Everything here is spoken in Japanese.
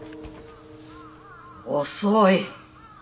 遅い。